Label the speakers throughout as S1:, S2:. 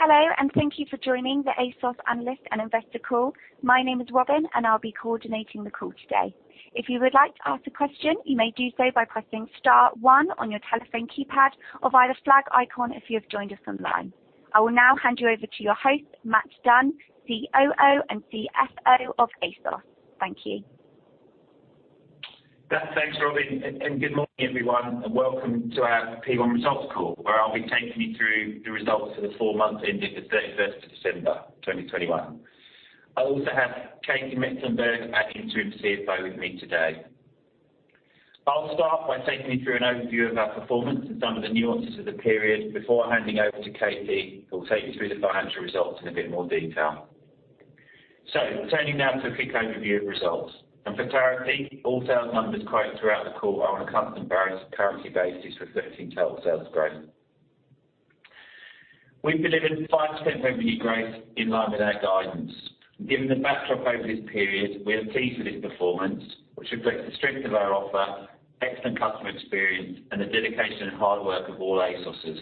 S1: Hello, and thank you for joining the ASOS analyst and investor call. My name is Robin, and I'll be coordinating the call today. If you would like to ask a question, you may do so by pressing star one on your telephone keypad or via the flag icon if you have joined us online. I will now hand you over to your host, Mat Dunn, COO and CFO of ASOS. Thank you.
S2: Thanks, Robin, and good morning, everyone, and welcome to our P1 results call, where I'll be taking you through the results for the 4 months ending the thirty-first of December, 2021. I also have Katy Mecklenburgh, acting CFO with me today. I'll start by taking you through an overview of our performance and some of the nuances of the period before handing over to Katie, who will take you through the financial results in a bit more detail. Turning now to a quick overview of results. For clarity, all sales numbers quoted throughout the call are on a constant currency basis reflecting total sales growth. We've delivered 5% revenue growth in line with our guidance. Given the backdrop over this period, we are pleased with this performance, which reflects the strength of our offer, excellent customer experience, and the dedication and hard work of all ASOS.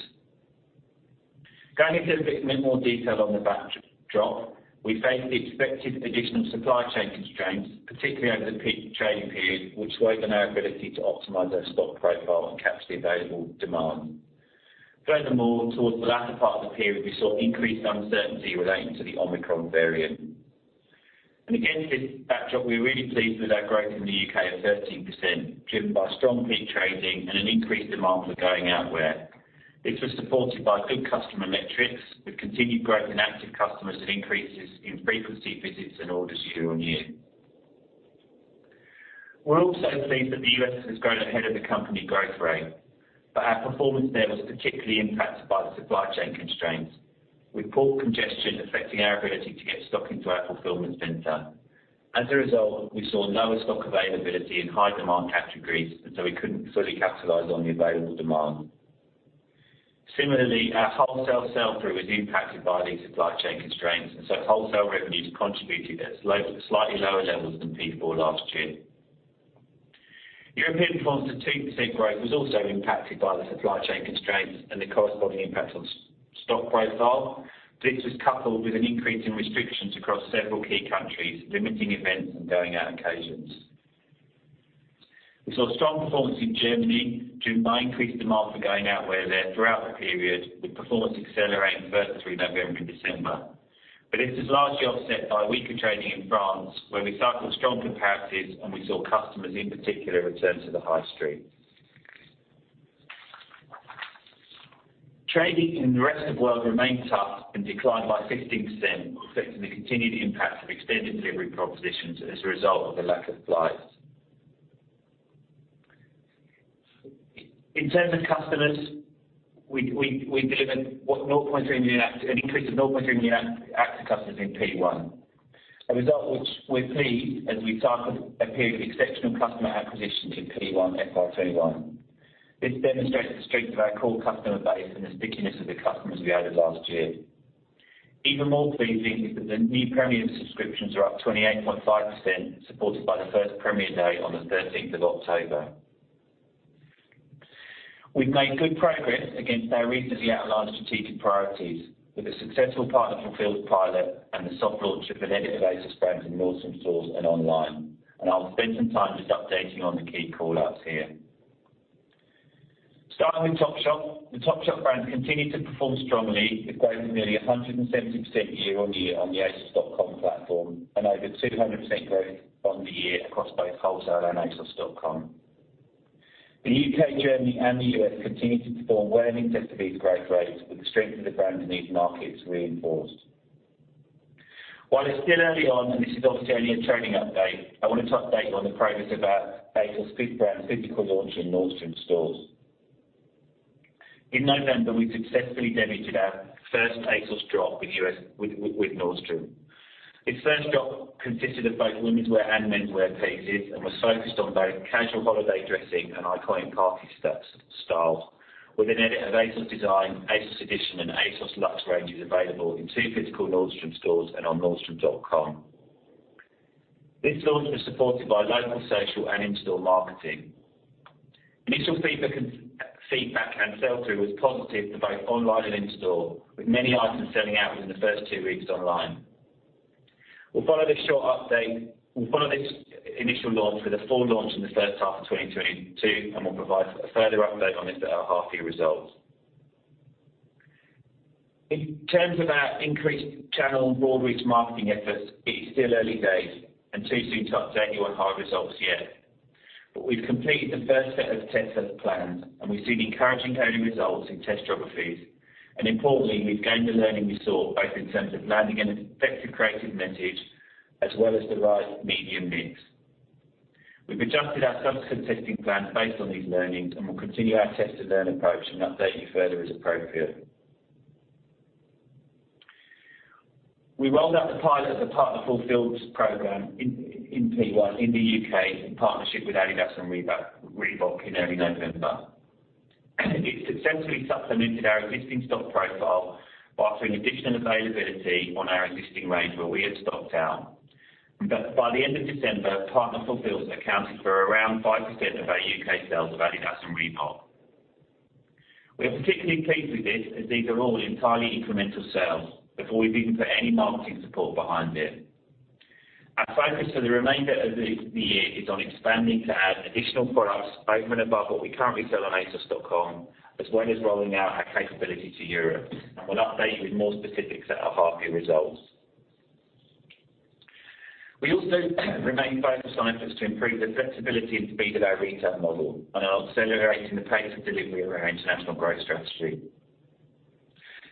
S2: Going into a bit more detail on the backdrop, we faced the expected additional supply chain constraints, particularly over the peak trading period, which widened our ability to optimize our stock profile and capture the available demand. Furthermore, towards the latter part of the period, we saw increased uncertainty relating to the Omicron variant. Against this backdrop, we're really pleased with our growth in the U.K. of 13%, driven by strong peak trading and an increased demand for going out wear. This was supported by good customer metrics with continued growth in active customers and increases in frequency visits and orders year-on-year. We're also pleased that the U.S. Has grown ahead of the company growth rate, but our performance there was particularly impacted by the supply chain constraints, with port congestion affecting our ability to get stock into our fulfillment center. As a result, we saw lower stock availability and high demand categories, and so we couldn't fully capitalize on the available demand. Similarly, our wholesale sell-through was impacted by these supply chain constraints, and so wholesale revenues contributed at slightly lower levels than P4 last year. European performance of 2% growth was also impacted by the supply chain constraints and the corresponding impact on stock profile. This was coupled with an increase in restrictions across several key countries, limiting events and going out occasions. We saw strong performance in Germany due to increased demand for going out wear there throughout the period, with performance accelerating further through November to December. This is largely offset by weaker trading in France, where we cycled strong comparisons, and we saw customers in particular return to the high street. Trading in the rest of world remained tough and declined by 15%, reflecting the continued impact of extended delivery propositions as a result of the lack of flights. In terms of customers, we delivered an increase of 0.3 million active customers in P1. A result which we're pleased as we cycled a period of exceptional customer acquisitions in P1 FY 2021. This demonstrates the strength of our core customer base and the stickiness of the customers we added last year. Even more pleasing is that the new premium subscriptions are up 28.5%, supported by the first premium day on the 13th of October. We've made good progress against our recently outlined strategic priorities with a successful Partner Fulfils pilot and the soft launch of an edit of ASOS brands in Nordstrom stores and online. I'll spend some time just updating you on the key call-outs here. Starting with Topshop. The Topshop brand continued to perform strongly with growth of nearly 170% year-on-year on the asos.com platform, and over 200% growth on the year across both wholesale and asos.com. The U.K., Germany, and the U.S. continued to perform well in each of these growth rates, with the strength of the brand in these markets reinforced. While it's still early on, and this is obviously only a trading update, I wanted to update you on the progress of our ASOS brand physical launch in Nordstrom stores. In November, we successfully debuted our first ASOS drop with Nordstrom. This first drop consisted of both womenswear and menswear pieces and was focused on both casual holiday dressing and iconic party styles, with an edit of ASOS DESIGN, ASOS EDITION, and ASOS LUXE ranges available in two physical Nordstrom stores and on nordstrom.com. This launch was supported by local, social, and in-store marketing. Initial feedback and sell-through was positive for both online and in store, with many items selling out within the first two weeks online. We'll follow this initial launch with a full launch in the first half of 2022, and we'll provide a further update on this at our half year results. In terms of our increased channel broad reach marketing efforts, it is still early days and too soon to update you on hard results yet. We've completed the first set of tests as planned, and we've seen encouraging early results in test geographies. Importantly, we've gained the learning we sought both in terms of landing an effective creative message as well as the right medium mix. We've adjusted our subsequent testing plan based on these learnings, and we'll continue our test and learn approach and update you further as appropriate. We rolled out the pilot of the Partner Fulfils program in P1 in the U.K. in partnership with adidas and Reebok in early November. It successfully supplemented our existing stock profile by offering additional availability on our existing range where we had stocked out. By the end of December, Partner Fulfils accounted for around 5% of our U.K. sales of adidas and Reebok. We are particularly pleased with this, as these are all entirely incremental sales before we've even put any marketing support behind it. Our focus for the remainder of the year is on expanding to add additional products over and above what we currently sell on asos.com, as well as rolling out our capability to Europe, and we'll update you with more specifics at our half-year results. We also remain focused on efforts to improve the flexibility and speed of our retail model and are accelerating the pace of delivery of our international growth strategy.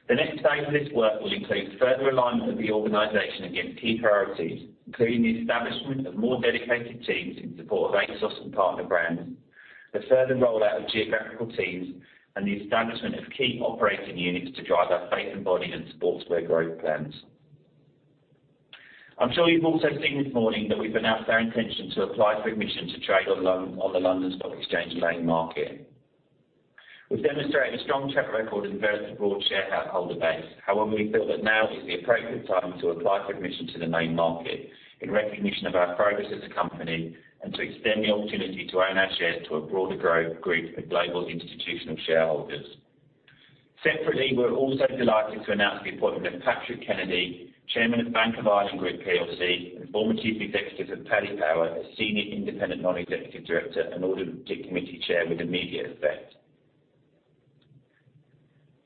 S2: The next phase of this work will include further alignment of the organization against key priorities, including the establishment of more dedicated teams in support of ASOS and partner brands, the further rollout of geographical teams, and the establishment of key operating units to drive our Bath & Body and Sportswear growth plans. I'm sure you've also seen this morning that we've announced our intention to apply for admission to trade on the London Stock Exchange Main Market. We've demonstrated a strong track record and very broad shareholder base. However, we feel that now is the appropriate time to apply for admission to the Main Market in recognition of our progress as a company and to extend the opportunity to own our shares to a broader group of global institutional shareholders. Separately, we're also delighted to announce the appointment of Patrick Kennedy, chairman of Bank of Ireland Group plc and former chief executive of Paddy Power, as senior independent non-executive director and audit committee chair with immediate effect.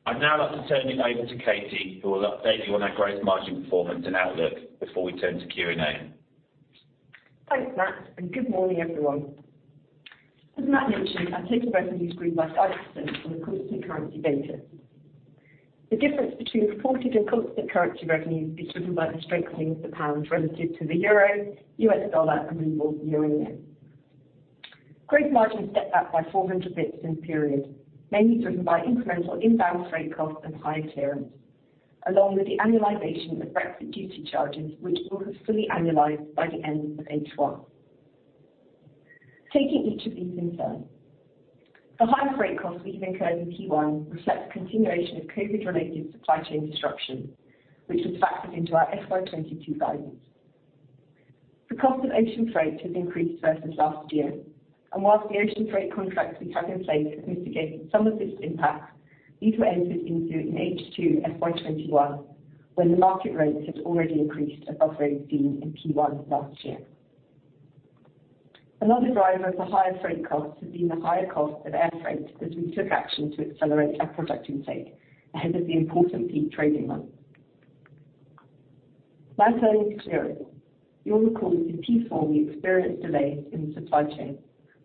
S2: I'd now like to turn it over to Katy, who will update you on our growth margin performance and outlook before we turn to Q&A.
S3: Thanks, Matt, and good morning, everyone. As Matt mentioned, the revenue grew by 5% on a constant currency basis. The difference between reported and constant currency revenue is driven by the strengthening of the pound relative to the euro, US dollar, and renminbi and yen. Gross margin stepped up by 400 basis points in the period, mainly driven by incremental inbound freight costs and higher clearance, along with the annualization of Brexit duty charges, which will have fully annualized by the end of H1. Taking each of these in turn. The higher freight costs we have incurred in Q1 reflect the continuation of COVID-related supply chain disruption, which was factored into our FY 2022 guidance. The cost of ocean freight has increased versus last year, and while the ocean freight contracts we have in place have mitigated some of this impact, these were entered into in H2 FY 2021, when the market rates had already increased above rates seen in P1 last year. Another driver of the higher freight costs has been the higher cost of air freight, as we took action to accelerate our product intake ahead of the important peak trading months. Now turning to clearance. You'll recall that in P4 we experienced delays in the supply chain,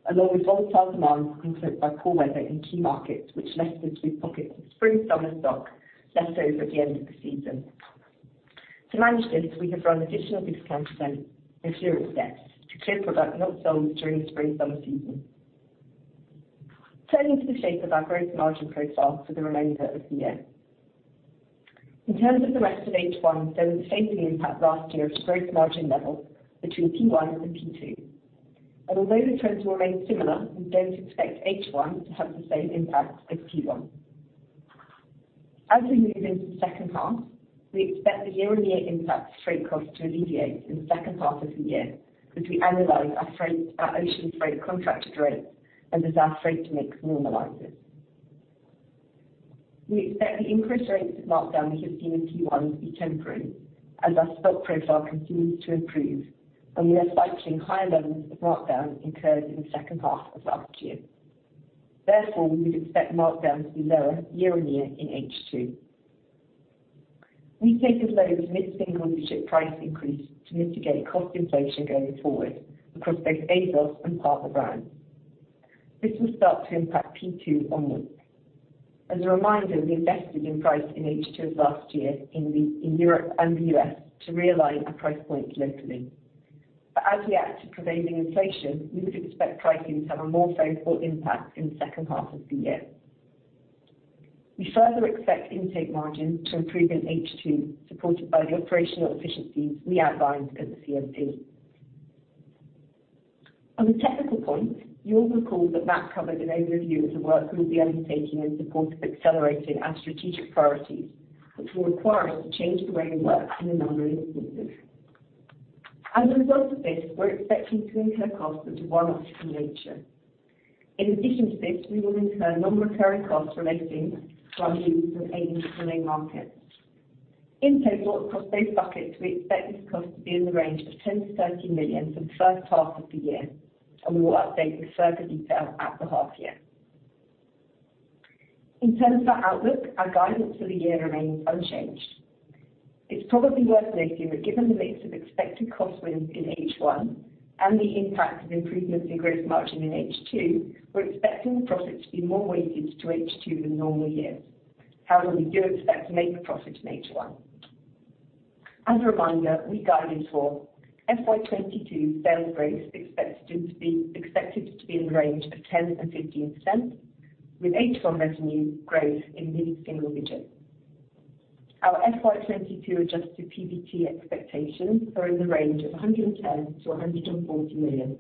S3: along with volatile demand influenced by poor weather in key markets, which left us with pockets of spring/summer stock left over at the end of the season. To manage this, we have run additional discount events and clearance steps to clear product not sold during the spring/summer season. Turning to the shape of our gross margin profile for the remainder of the year. In terms of the rest of H1, there was a phasing impact last year to gross margin levels between P1 and P2. Although the trends remain similar, we don't expect H1 to have the same impact as P1. As we move into the second half, we expect the year-on-year impact of freight costs to alleviate in the second half of the year as we annualize our freight, our ocean freight contracted rates and as our freight mix normalizes. We expect the increased rates of markdown we have seen in Q1 to be temporary as our stock profile continues to improve, and we are cycling higher levels of markdown incurred in the second half of last year. Therefore, we would expect markdown to be lower year on year in H2. We allow for mid-single-digit price increase to mitigate cost inflation going forward across both ASOS and partner brands. This will start to impact P2 onwards. As a reminder, we invested in price in H2 of last year in Europe and the US to realign our price points locally. As we react to prevailing inflation, we would expect pricing to have a more favorable impact in the second half of the year. We further expect intake margins to improve in H2, supported by the operational efficiencies we outlined at the CMD. On a technical point, you'll recall that Matt covered an overview of the work we'll be undertaking in support of accelerating our strategic priorities, which will require us to change the way we work in a number of instances. As a result of this, we're expecting to incur costs that are one-offs in nature. In addition to this, we will incur non-recurring costs relating to our move from AIM to the Main Market. In total, across those buckets, we expect this cost to be in the range of 10 million-30 million for the first half of the year, and we will update with further detail at the half year. In terms of our outlook, our guidance for the year remains unchanged. It's probably worth noting that given the mix of expected cost wins in H1 and the impact of improvements in gross margin in H2, we're expecting the profit to be more weighted to H2 than normal years. However, we do expect to make a profit in H1. As a reminder, we guided for FY 2022 sales growth expected to be in the range of 10%-15%, with H1 revenue growth in mid-single digits. Our FY 2022 adjusted PBT expectations are in the range of 110-140 million.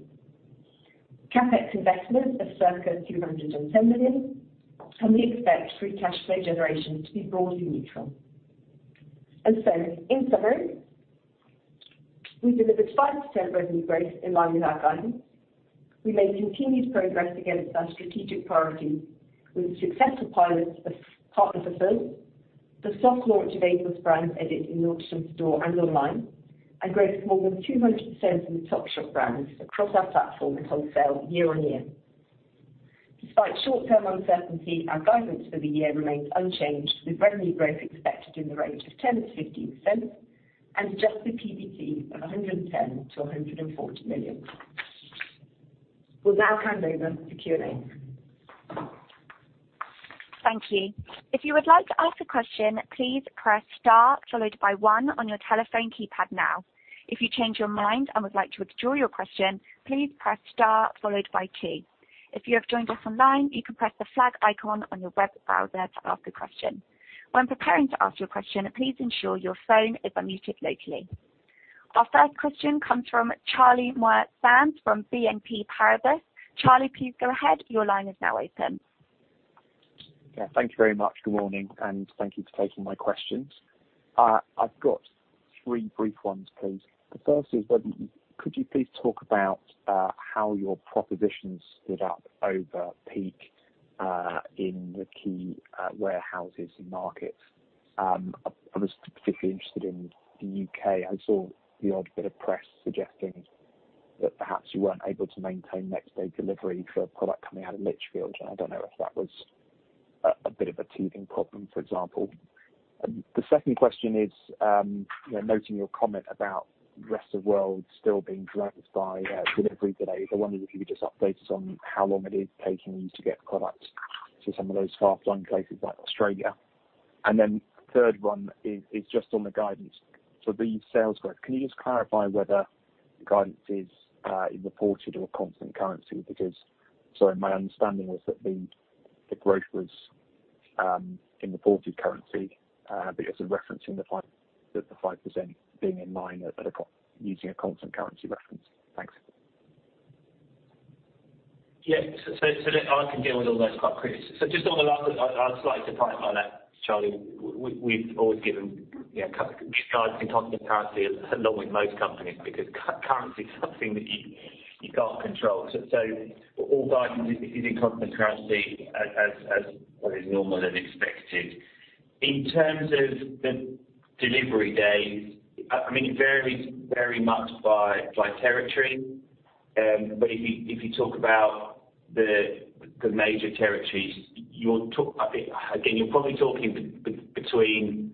S3: CapEx investments of circa 210 million, and we expect free cash flow generation to be broadly neutral. In summary, we delivered 5% revenue growth in line with our guidance. We made continued progress against our strategic priorities with successful pilots of Partner Fulfils, the soft launch of ASOS EDITION in the Nottingham store and online, and growth of more than 200% in the Topshop brands across our platform and wholesale year-on-year. Despite short term uncertainty, our guidance for the year remains unchanged, with revenue growth expected in the range of 10%-15% and adjusted PBT of 110-140 million. We'll now hand over to Q&A.
S1: Thank you. If you would like to ask a question, please press star followed by one on your telephone keypad now. If you change your mind and would like to withdraw your question, please press star followed by two. If you have joined us online, you can press the flag icon on your web browser to ask a question. When preparing to ask your question, please ensure your phone is unmuted locally. Our first question comes from Charlie Muir-Sands from BNP Paribas. Charlie, please go ahead. Your line is now open.
S4: Yeah, thank you very much. Good morning, and thank you for taking my questions. I've got three brief ones, please. The first is whether could you please talk about how your propositions stood up over peak in the key warehouses and markets. I'm particularly interested in the U.K. I saw the odd bit of press suggesting that perhaps you weren't able to maintain next day delivery for a product coming out of Lichfield, and I don't know if that was a bit of a teething problem, for example. The second question is, you know, noting your comment about the rest of world still being dragged by delivery delays. I wonder if you could just update us on how long it is taking you to get product to some of those far-flung places like Australia. Third one is just on the guidance. The sales growth, can you just clarify whether the guidance is in reported or constant currency? Because, sorry, my understanding was that the growth was in reported currency because of referencing the 5% being in line using a constant currency reference. Thanks.
S2: Yeah, I can deal with all those quite quickly. Just on the last, I'd just like to clarify that, Charlie, we've always given, you know, guidance in constant currency, along with most companies, because currency is something that you can't control. All guidance is in constant currency as is normal and expected. In terms of the delivery days, I mean, it varies very much by territory. But if you talk about the major territories, you're probably talking between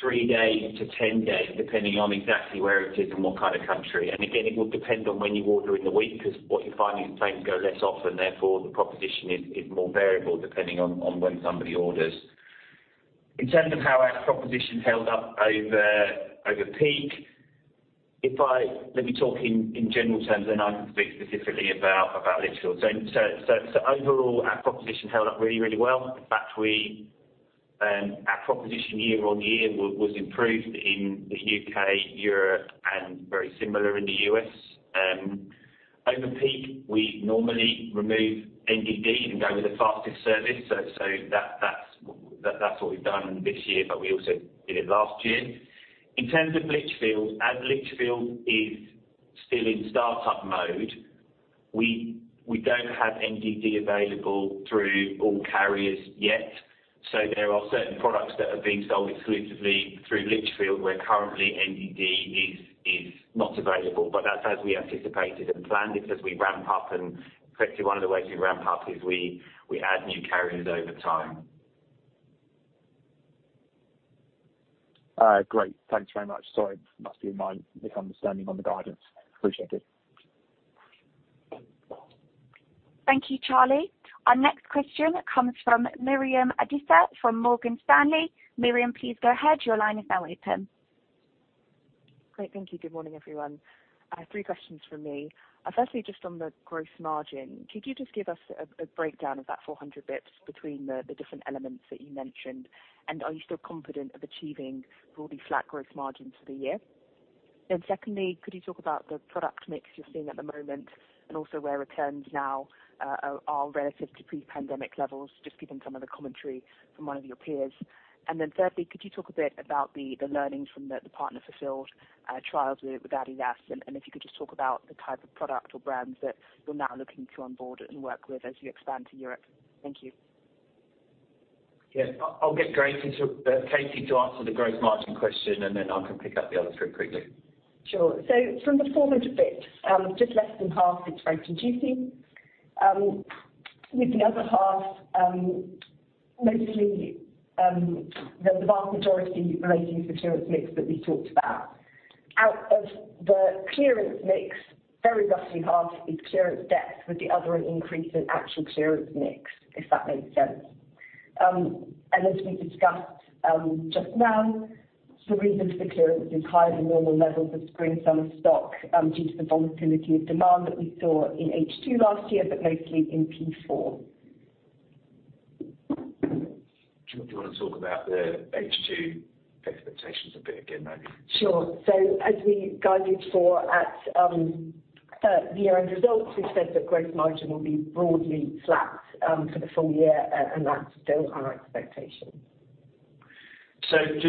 S2: 3 days to 10 days, depending on exactly where it is and what kind of country. It will depend on when you order in the week, because what you find is planes go less often, therefore the proposition is more variable depending on when somebody orders. Let me talk in general terms, then I can speak specifically about Lichfield. Overall, our proposition held up really well. In fact, our proposition year-on-year was improved in the U.K., Europe and very similar in the U.S. Over peak, we normally remove NDD and go with the fastest service. That's what we've done this year, but we also did it last year. In terms of Lichfield, as Lichfield is still in startup mode, we don't have NDD available through all carriers yet. There are certain products that are being sold exclusively through Lichfield, where currently NDD is not available. That's as we anticipated and planned it as we ramp up, and effectively one of the ways we ramp up is we add new carriers over time.
S4: Great. Thanks very much. Sorry. It must have been my misunderstanding on the guidance. Appreciate it.
S1: Thank you, Charlie. Our next question comes from Miriam Adisa from Morgan Stanley. Miriam, please go ahead. Your line is now open.
S5: Great. Thank you. Good morning, everyone. I have three questions from me. First, just on the gross margin, could you just give us a breakdown of that 400 basis points between the different elements that you mentioned? Are you still confident of achieving broadly flat gross margins for the year? Second, could you talk about the product mix you're seeing at the moment and also where returns now are relative to pre-pandemic levels, just given some of the commentary from one of your peers? Third, could you talk a bit about the learnings from the Partner Fulfils trials with adidas? And if you could just talk about the type of product or brands that you're now looking to onboard and work with as you expand to Europe. Thank you.
S2: Yes. I'll get Grace and Katy to answer the gross margin question, and then I can pick up the others pretty quickly.
S3: Sure. From the 400 basis points, just less than half is rate and GC. With the other half, mostly, the vast majority relates to the clearance mix that we talked about. Out of the clearance mix, very roughly half is clearance depth with the other increase in actual clearance mix, if that makes sense. As we discussed just now, the reason for the clearance is higher than normal levels of spring, summer stock due to the volatility of demand that we saw in H2 last year, but mostly in P4.
S2: Do you wanna talk about the H2 expectations a bit again, Miryam?
S6: Sure. As we guided for the year-end results, we said that gross margin will be broadly flat for the full year, and that's still our expectation.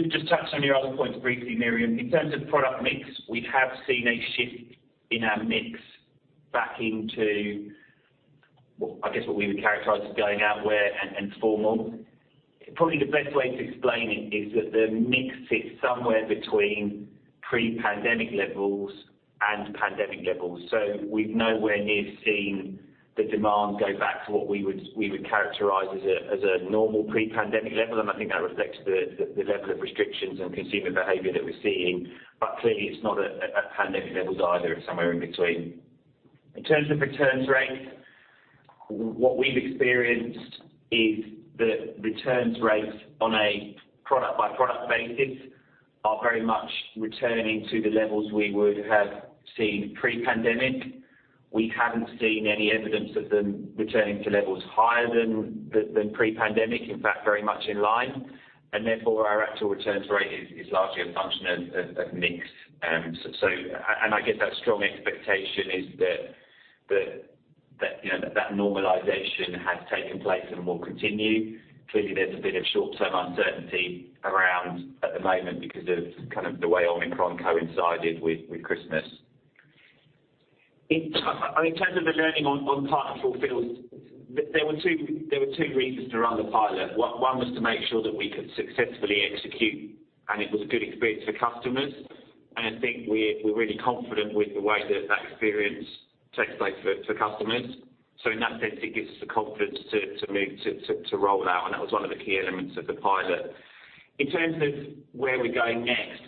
S2: Just touch on your other points briefly, Miriam. In terms of product mix, we have seen a shift in our mix back into I guess what we would characterize as going out wear and formal. Probably the best way to explain it is that the mix sits somewhere between pre-pandemic levels and pandemic levels. We're nowhere near seeing the demand go back to what we would characterize as a normal pre-pandemic level, and I think that reflects the level of restrictions and consumer behavior that we're seeing. But clearly, it's not at pandemic levels either, it's somewhere in between. In terms of returns rate, what we've experienced is that returns rates on a product-by-product basis are very much returning to the levels we would have seen pre-pandemic. We haven't seen any evidence of them returning to levels higher than pre-pandemic, in fact, very much in line. Therefore, our actual returns rate is largely a function of mix. I guess that strong expectation is that normalization has taken place and will continue. Clearly, there's a bit of short-term uncertainty around at the moment because of kind of the way Omicron coincided with Christmas. In terms of the learning on Partner Fulfils, there were two reasons to run the pilot. One was to make sure that we could successfully execute, and it was a good experience for customers. I think we're really confident with the way that experience takes place for customers. In that sense, it gives us the confidence to move to roll out, and that was one of the key elements of the pilot. In terms of where we're going next,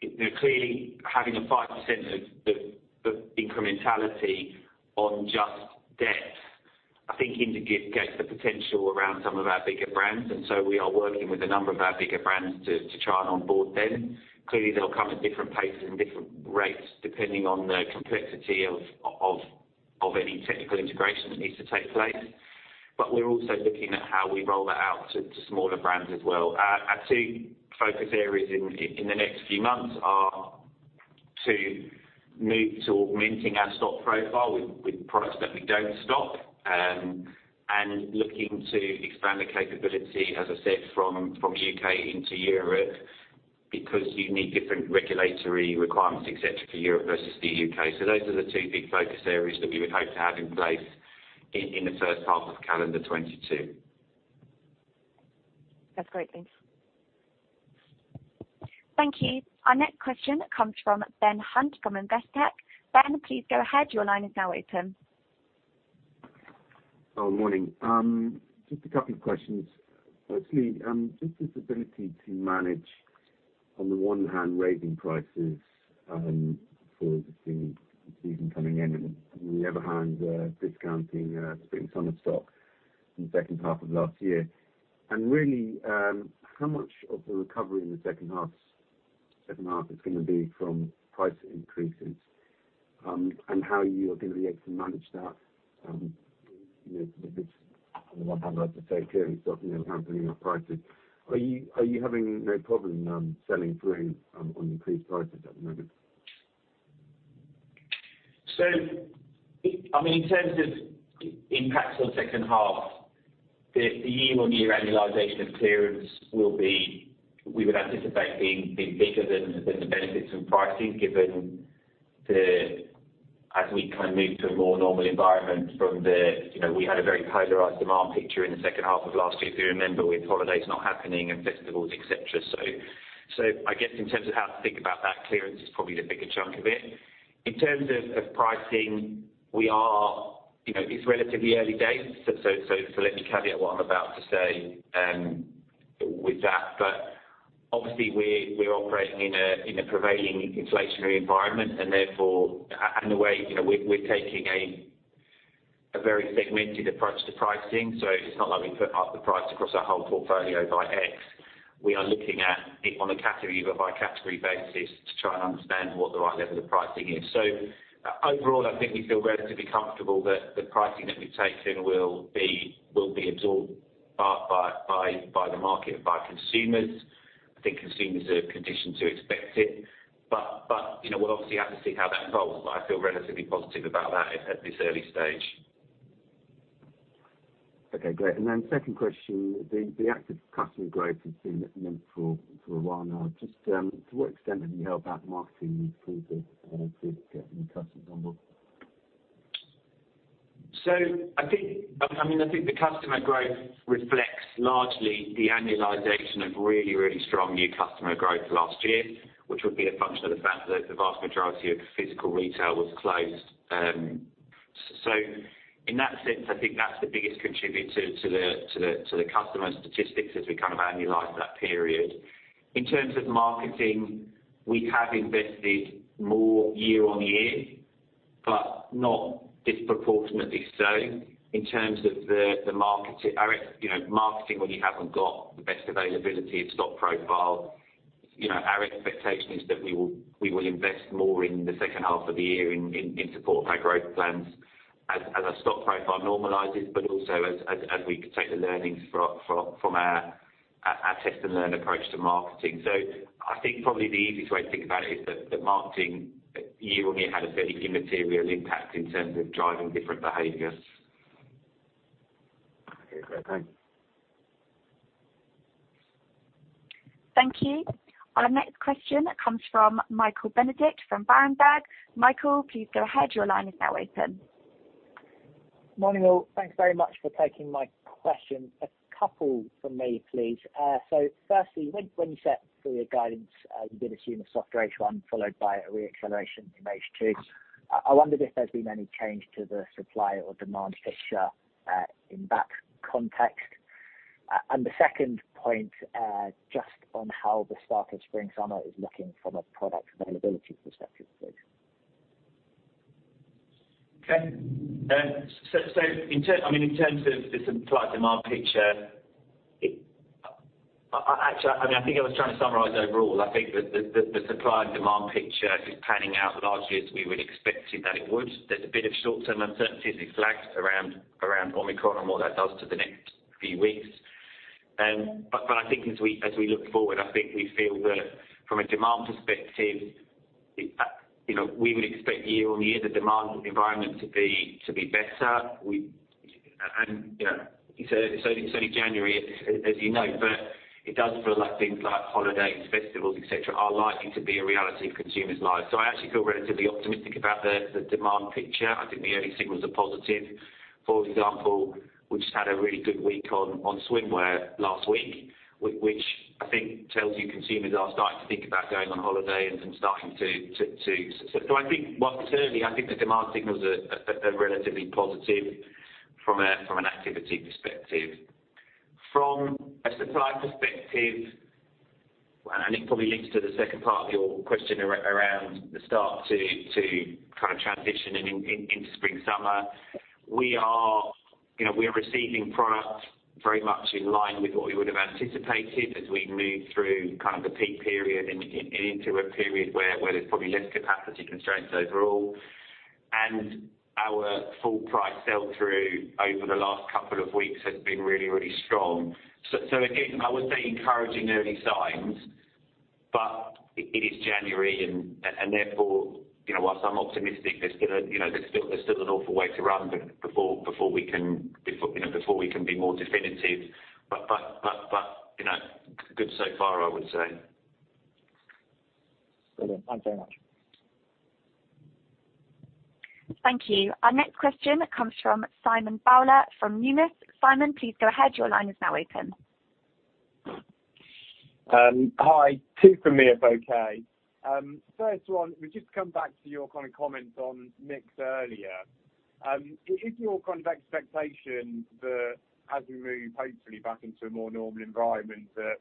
S2: you know, clearly having 5% of the incrementality on just depth I think indicates the potential around some of our bigger brands. We are working with a number of our bigger brands to try and onboard them. Clearly, they'll come at different paces and different rates depending on the complexity of any technical integration that needs to take place. We're also looking at how we roll that out to smaller brands as well. Our two focus areas in the next few months are to move to augmenting our stock profile with products that we don't stock, and looking to expand the capability, as I said, from U.K. into Europe because you need different regulatory requirements, et cetera, for Europe versus the U.K. Those are the two big focus areas that we would hope to have in place in the first half of calendar 2022.
S5: That's great. Thanks.
S1: Thank you. Our next question comes from Ben Hunt from Investec. Ben, please go ahead. Your line is now open.
S7: Oh, morning. Just a couple of questions. Firstly, just this ability to manage on the one hand raising prices for the season coming in and on the other hand discounting spring/summer stock in the second half of last year. Really, how much of the recovery in the second half is gonna be from price increases? And how you are gonna be able to manage that, you know, with this, I don't know what I'd like to say, clearly, you know, handling your prices. Are you having no problem selling through on increased prices at the moment?
S2: I mean, in terms of impacts on second half, the year-on-year annualization of clearance will be, we would anticipate being a bit bigger than the benefits from pricing given the, as we kind of move to a more normal environment from the, you know, we had a very polarized demand picture in the second half of last year, if you remember, with holidays not happening and festivals, et cetera. I guess in terms of how to think about that, clearance is probably the bigger chunk of it. In terms of pricing, we are, you know, it's relatively early days, so let me caveat what I'm about to say with that. But obviously we're operating in a prevailing inflationary environment, and therefore, and the way, you know, we're taking a very segmented approach to pricing. It's not like we put up the price across our whole portfolio by X. We are looking at it on a category by category basis to try and understand what the right level of pricing is. Overall, I think we feel relatively comfortable that the pricing that we've taken will be absorbed by the market and by consumers. I think consumers are conditioned to expect it. You know, we'll obviously have to see how that evolves, but I feel relatively positive about that at this early stage.
S7: Okay, great. Second question, the active customer growth has been muted for a while now. Just to what extent have you held back marketing through getting customers on board?
S2: I think the customer growth reflects largely the annualization of really strong new customer growth last year, which would be a function of the fact that the vast majority of physical retail was closed. In that sense, I think that's the biggest contributor to the customer statistics as we kind of annualize that period. In terms of marketing, we have invested more year on year, but not disproportionately so. In terms of the market, you know, marketing when you haven't got the best availability of stock profile. You know, our expectation is that we will invest more in the second half of the year in support of our growth plans as our stock profile normalizes, but also as we take the learnings from our test and learn approach to marketing. I think probably the easiest way to think about it is that the marketing year-on-year had a fairly immaterial impact in terms of driving different behaviors.
S7: Okay. Thank you.
S1: Thank you. Our next question comes from Michael Benedict from Berenberg. Michael, please go ahead. Your line is now open.
S8: Morning, all. Thanks very much for taking my question. A couple from me, please. Firstly, when you set forth your guidance, you did assume a soft H1 followed by a re-acceleration in H2. I wondered if there's been any change to the supply or demand picture, in that context. The second point, just on how the start of spring/summer is looking from a product availability perspective, please.
S2: Okay. I mean in terms of the supply, demand picture, actually, I mean, I think I was trying to summarize overall, I think the supply and demand picture is panning out largely as we would expected that it would. There's a bit of short-term uncertainty as we flagged around Omicron and what that does to the next few weeks. I think as we look forward, I think we feel that from a demand perspective, you know, we would expect year-on-year the demand environment to be better. You know, it's early, it's only January as you know, but it does feel like things like holidays, festivals, et cetera, are likely to be a reality of consumers' lives. I actually feel relatively optimistic about the demand picture. I think the early signals are positive. For example, we just had a really good week on swimwear last week, which I think tells you consumers are starting to think about going on holiday and starting to. So I think, well, certainly, I think the demand signals are relatively positive from a, from an activity perspective. From a supply perspective, and it probably links to the second part of your question around the start to kind of transition into spring/summer, we are, you know, we are receiving product very much in line with what we would've anticipated as we move through kind of the peak period and into a period where there's probably less capacity constraints overall. Our full price sell-through over the last couple of weeks has been really strong. Again, I would say encouraging early signs, but it is January and therefore, you know, while I'm optimistic, you know, there's still a long way to run before, you know, before we can be more definitive. You know, good so far, I would say.
S8: Brilliant. Thanks very much.
S1: Thank you. Our next question comes from Simon Bowler from Numis. Simon, please go ahead. Your line is now open.
S9: Hi. Two from me, if okay. First one, just to come back to your kind of comment on mix earlier. Is your kind of expectation that as we move hopefully back into a more normal environment that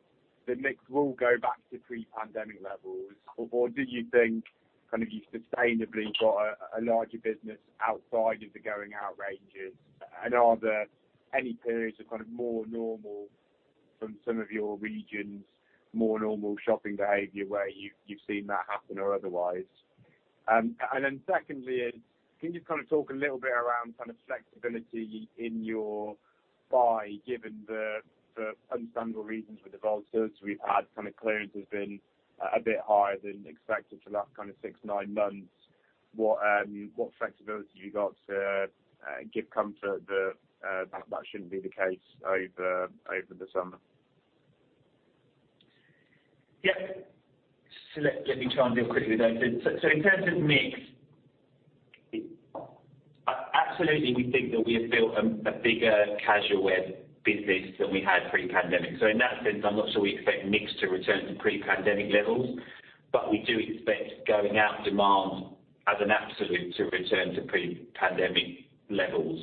S9: the mix will go back to pre-pandemic levels? Or do you think kind of you've sustainably got a larger business outside of the going out ranges? And are there any periods of kind of more normal from some of your regions, more normal shopping behavior where you've seen that happen or otherwise? And then secondly, can you kind of talk a little bit around kind of flexibility in your buy, given the understandable reasons with the volatility we've had, kind of clearance has been a bit higher than expected for that kind of six, nine months. What flexibility have you got to give comfort that that shouldn't be the case over the summer?
S2: Yeah. Let me try and deal quickly with those. In terms of mix, absolutely we think that we have built a bigger casual wear business than we had pre-pandemic. In that sense, I'm not sure we expect mix to return to pre-pandemic levels, but we do expect going out demand as an absolute to return to pre-pandemic levels.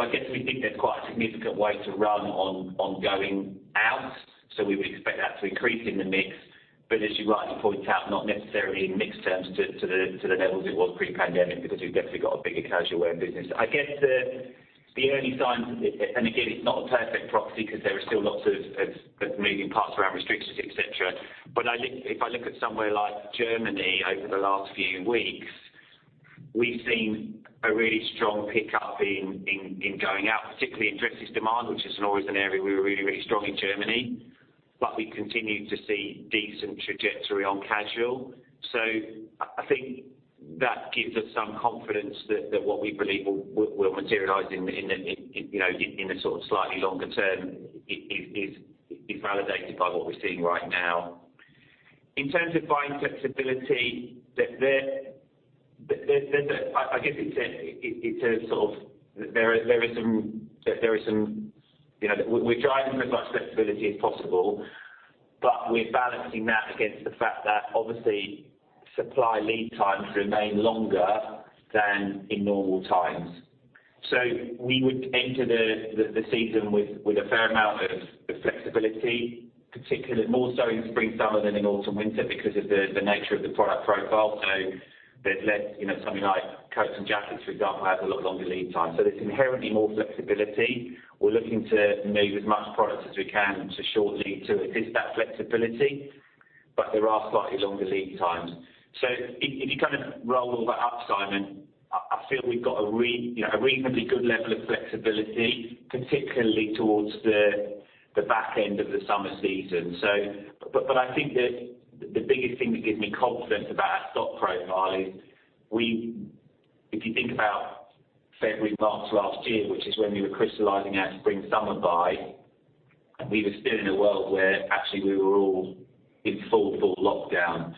S2: I guess we think there's quite a significant way to run on going out, so we would expect that to increase in the mix. But as you rightly point out, not necessarily in mix terms to the levels it was pre-pandemic because we've definitely got a bigger casual wear business. I guess the early signs, and again, it's not a perfect proxy 'cause there are still lots of moving parts around restrictions, et cetera. I look at somewhere like Germany over the last few weeks. We've seen a really strong pickup in going out, particularly in dresses demand, which is always an area we were really strong in Germany. We continue to see decent trajectory on casual. I think that gives us some confidence that what we believe will materialize in the, you know, in the sort of slightly longer term is validated by what we're seeing right now. In terms of buying flexibility, I guess it's a sort of there is some, you know. We're driving as much flexibility as possible, but we're balancing that against the fact that obviously supply lead times remain longer than in normal times. We would enter the season with a fair amount of flexibility, particularly more so in spring/summer than in autumn/winter because of the nature of the product profile. There's less, you know, something like coats and jackets, for example, have a lot longer lead time. There's inherently more flexibility. We're looking to move as much product as we can to short lead to assist that flexibility. There are slightly longer lead times. If you kind of roll all that up, Simon, I feel we've got a reasonably good level of flexibility, particularly towards the back end of the summer season. I think the biggest thing that gives me confidence about our stock profile is, if you think about February, March last year, which is when we were crystallizing our spring, summer buy, we were still in a world where actually we were all in full lockdown.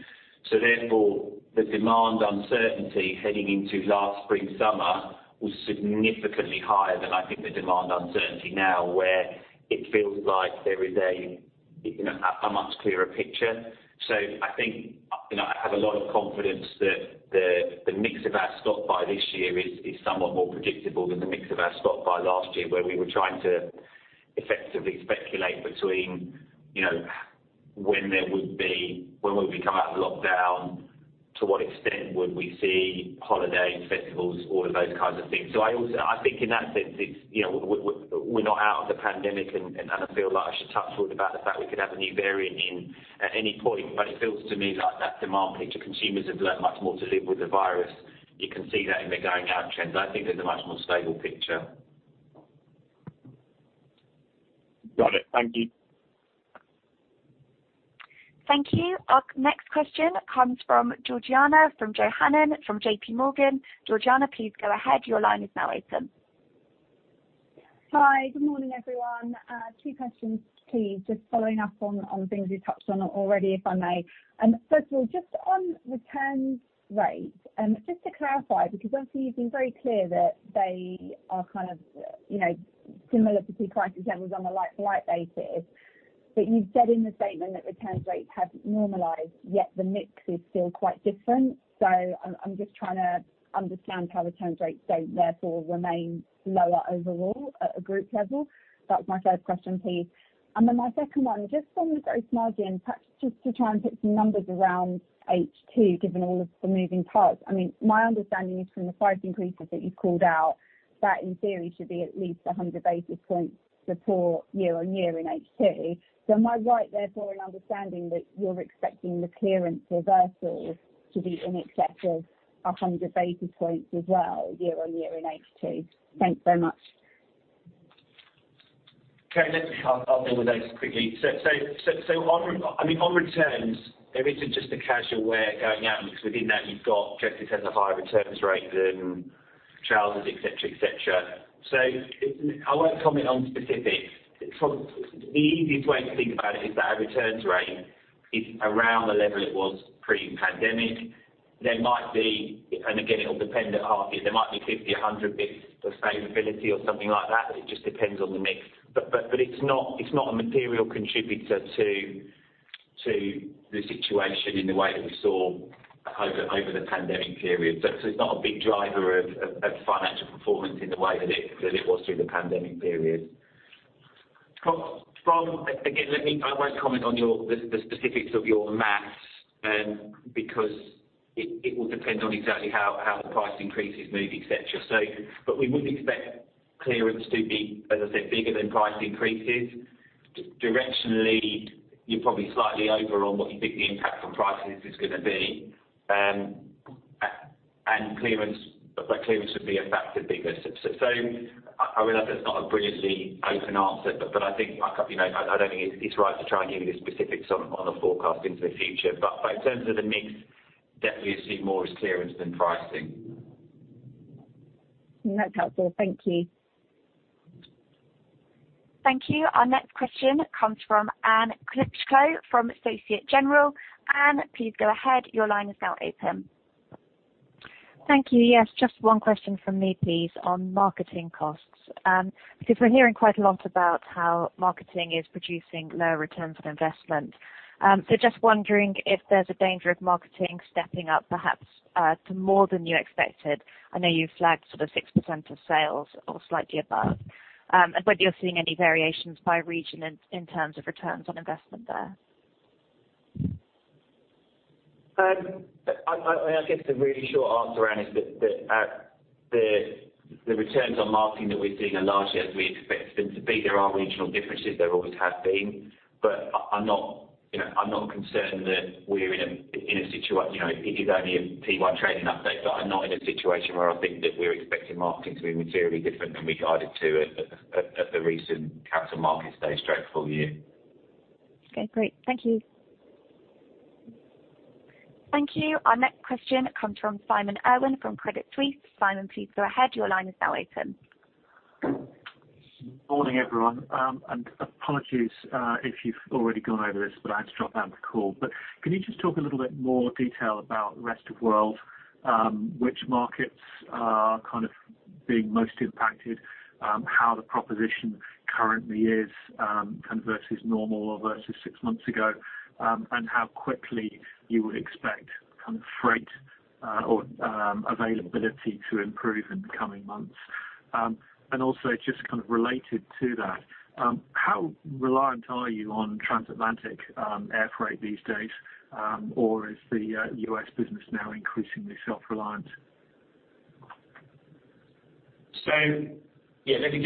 S2: Therefore, the demand uncertainty heading into last spring, summer was significantly higher than I think the demand uncertainty now, where it feels like there is a, you know, a much clearer picture. I think, you know, I have a lot of confidence that the mix of our stock buy this year is somewhat more predictable than the mix of our stock buy last year, where we were trying to effectively speculate between, you know, when would we come out of lockdown, to what extent would we see holidays, festivals, all of those kinds of things. I think in that sense, it's, you know, we're not out of the pandemic and I feel like I should touch wood about the fact we could have a new variant in at any point, but it feels to me like that demand picture, consumers have learned much more to live with the virus. You can see that in the going out trends. I think there's a much more stable picture.
S9: Got it. Thank you.
S1: Thank you. Our next question comes from Georgina from Johanan from JP Morgan. Georgina, please go ahead. Your line is now open.
S10: Hi, good morning, everyone. Two questions, please. Just following up on things you touched on already, if I may. First of all, just on returns rate, just to clarify, because obviously you've been very clear that they are kind of, you know, similar to pre-crisis levels on a like-for-like basis. You said in the statement that returns rates have normalized, yet the mix is still quite different. I'm just trying to understand how returns rates don't therefore remain lower overall at a group level. That's my first question, please. My second one, just on the gross margin, perhaps just to try and put some numbers around H2, given all of the moving parts. I mean, my understanding is from the price increases that you've called out, that in theory should be at least 100 basis points support year on year in H2. Am I right therefore in understanding that you're expecting the clearance reversal to be in excess of 100 basis points as well year on year in H2? Thanks so much.
S2: Okay, let me, I'll deal with those quickly. On, I mean, on returns, there isn't just casual wear going out because within that you've got dresses that have a higher returns rate than trousers, et cetera, et cetera. I won't comment on specifics. The easiest way to think about it is that our returns rate is around the level it was pre-pandemic. There might be, and again, it'll depend on half year, there might be 50 basis points or 100 basis points of sustainability or something like that, but it just depends on the mix. It's not a material contributor to the situation in the way that we saw over the pandemic period. It's not a big driver of financial performance in the way that it was through the pandemic period. I won't comment on the specifics of your math, because it will depend on exactly how the price increases move, et cetera. We would expect clearance to be, as I said, bigger than price increases. Directionally, you're probably slightly over on what you think the impact on prices is gonna be and clearance, but clearance would be a factor bigger. I realize that's not a brilliantly open answer, but I think, like, you know, I don't think it's right to try and give you the specifics on a forecast into the future. In terms of the mix, definitely you see more as clearance than pricing.
S10: No, that's helpful. Thank you.
S1: Thank you. Our next question comes from Anne Kahuko from Société Générale. Anne, please go ahead. Your line is now open.
S11: Thank you. Yes, just one question from me, please, on marketing costs. Because we're hearing quite a lot about how marketing is producing lower returns on investment. Just wondering if there's a danger of marketing stepping up perhaps to more than you expected. I know you flagged sort of 6% of sales or slightly above. Whether you're seeing any variations by region in terms of returns on investment there.
S2: I guess the really short answer, Anne, is that the returns on marketing that we're seeing are largely as we expect them to be. There are regional differences, there always have been. But I'm not, you know, I'm not concerned that we're in a situation. You know, it is only a P1 trading update, but I'm not in a situation where I think that we're expecting marketing to be materially different than we guided to at the recent Capital Markets Day straight for you.
S11: Okay, great. Thank you.
S1: Thank you. Our next question comes from Simon Irwin from Credit Suisse. Simon, please go ahead. Your line is now open.
S12: Morning, everyone. Apologies if you've already gone over this, but I had to drop out of the call. Can you just talk a little bit more detail about the rest of world, which markets are kind of being most impacted, how the proposition currently is, kind of versus normal or versus six months ago, and how quickly you would expect kind of freight or availability to improve in the coming months? Also just kind of related to that, how reliant are you on transatlantic air freight these days, or is the U.S. business now increasingly self-reliant?
S2: Yeah, let me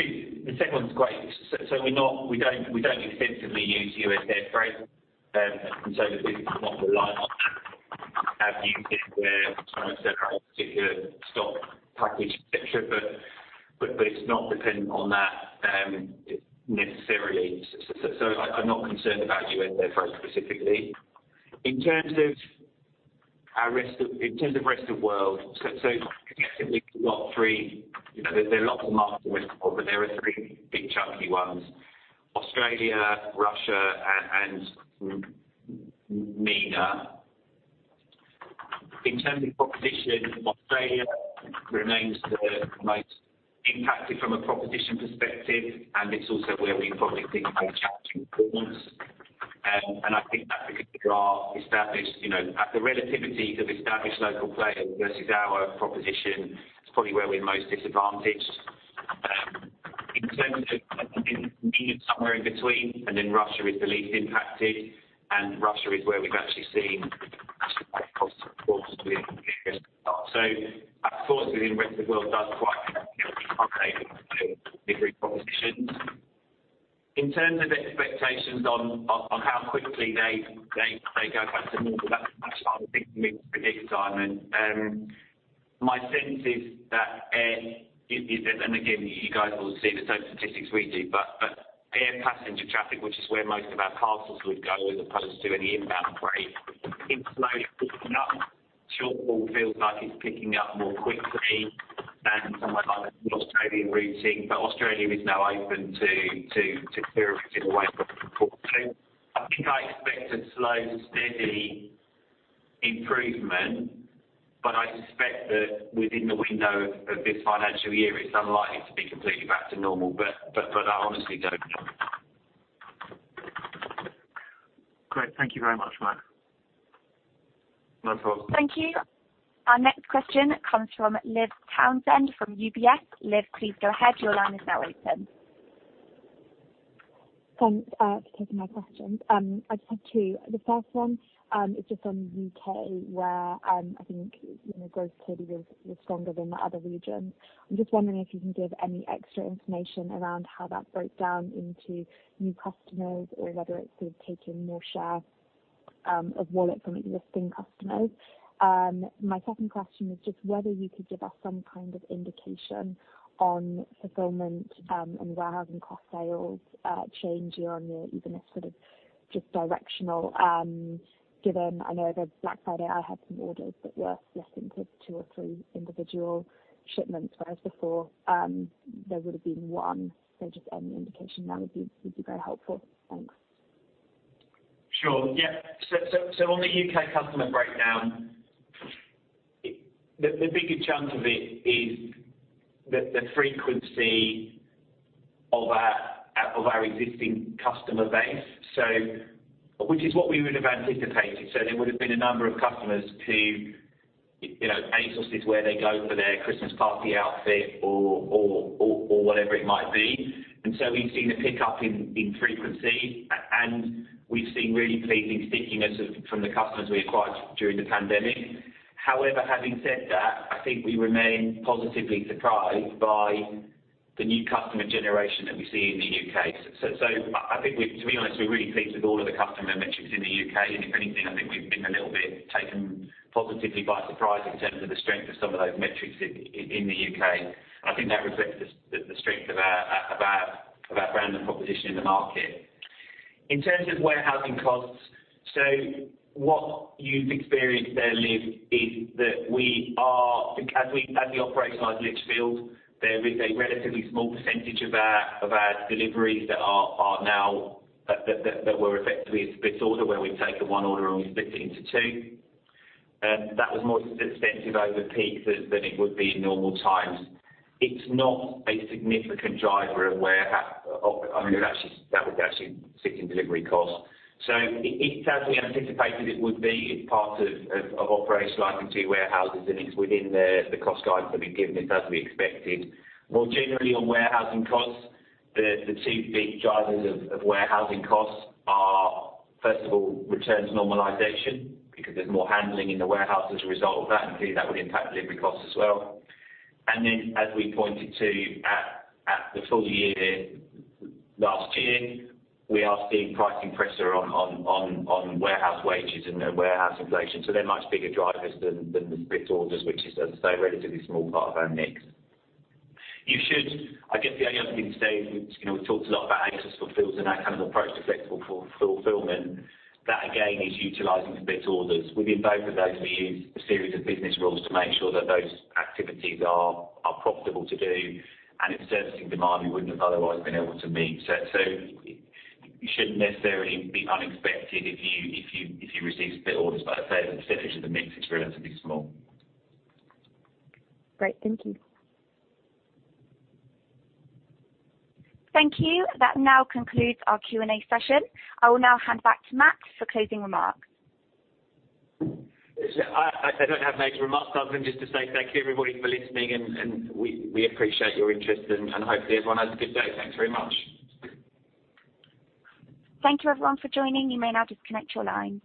S2: do the second one's great. We're not, we don't extensively use USA freight. The business is not reliant on that. We have used it where a particular stock package, et cetera. It's not dependent on that, necessarily. I'm not concerned about USA freight specifically. In terms of rest of world, collectively we've got three, you know, there are lots of markets but there are three big chunky ones, Australia, Russia, and MENA. In terms of proposition, Australia remains the most impacted from a proposition perspective, and it's also where we probably think most challenging from. I think that because there are established, you know, at the relativities of established local players versus our proposition, it's probably where we're most disadvantaged. In terms of somewhere in between, and then Russia is the least impacted, and Russia is where we've actually seen positive growth within the period as well. So our sales within rest of world do quite well. In terms of expectations on how quickly they go back to normal, that's a much harder thing for me to predict, Simon. My sense is that, and again, you guys will have seen the same statistics we do, but air passenger traffic, which is where most of our parcels would go as opposed to any inbound freight, seems slowly picking up. Short-haul feels like it's picking up more quickly than somewhere like an Australian routing, but Australia is now open to clear a particular way before. I think I expect a slow, steady improvement, but I suspect that within the window of this financial year, it's unlikely to be completely back to normal. I honestly don't know.
S12: Great. Thank you very much, Mat.
S2: No problem.
S1: Thank you. Our next question comes from Liv Townsend, from UBS. Liv, please go ahead. Your line is now open.
S13: Thanks for taking my questions. I just have two. The first one is just on U.K., where I think you know growth clearly was stronger than the other regions. I'm just wondering if you can give any extra information around how that broke down into new customers or whether it's sort of taking more share of wallet from existing customers. My second question is just whether you could give us some kind of indication on fulfillment and warehousing cost sales change year-on-year, even if sort of just directional, given I know over Black Friday I had some orders that were split into two or three individual shipments, whereas before there would have been one. Just any indication that would be very helpful. Thanks.
S2: Sure. Yeah. On the UK customer breakdown, it. The bigger chunk of it is the frequency of our existing customer base. Which is what we would have anticipated. There would have been a number of customers who, you know, ASOS is where they go for their Christmas party outfit or whatever it might be. We've seen a pickup in frequency, and we've seen really pleasing stickiness from the customers we acquired during the pandemic. However, having said that, I think we remain positively surprised by the new customer generation that we see in the UK. I think we've, to be honest, we're really pleased with all of the customer metrics in the UK. If anything, I think we've been a little bit taken positively by surprise in terms of the strength of some of those metrics in the UK. I think that reflects the strength of our brand and proposition in the market. In terms of warehousing costs, what you've experienced there, Liv, is that we are as we operationalize Lichfield, there is a relatively small percentage of our deliveries that were effectively a split order, where we take the one order and we split it into two. That was more extensive over peak than it would be in normal times. It's not a significant driver of warehouse. I mean, that would actually sit in delivery costs. It's as we anticipated it would be. It's part of operationalizing two warehouses, and it's within the cost guidance that we've given. It's as we expected. More generally on warehousing costs, the two big drivers of warehousing costs are, first of all, returns normalization, because there's more handling in the warehouse as a result of that, and clearly that would impact delivery costs as well. Then as we pointed to at the full year last year, we are seeing pricing pressure on warehouse wages and warehouse inflation. So they're much bigger drivers than the split orders, which is a relatively small part of our mix. I guess the only other thing to say is, you know, we've talked a lot about ASOS Fulfil and our kind of approach to flexible fulfillment. That, again, is utilizing split orders. Within both of those, we use a series of business rules to make sure that those activities are profitable to do and it's servicing demand we wouldn't have otherwise been able to meet. It shouldn't necessarily be unexpected if you receive split orders, but I'd say as a percentage of the mix, it's relatively small.
S13: Great. Thank you.
S1: Thank you. That now concludes our Q&A session. I will now hand back to Mat for closing remarks.
S2: I don't have any remarks other than just to say thank you everybody for listening, and we appreciate your interest, and hopefully everyone has a good day. Thanks very much.
S1: Thank you everyone for joining. You may now disconnect your line.